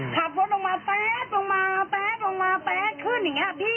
ขับรถลงมาแป๊ดลงมาแป๊ดลงมาแป๊ดขึ้นอย่างนี้พี่